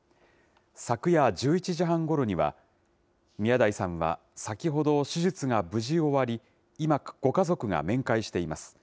昨夜１１時半ごろには、宮台さんは先ほど手術が無事終わり、今ご家族が面会しています。